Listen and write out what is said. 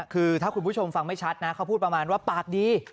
คือถ้าคุณผู้ชมฟังไม่ชัดนะเขาพูดประมาณว่าปากดี